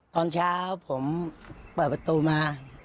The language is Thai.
ตอนเช้าผมเปิดประตูมา